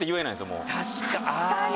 確かに！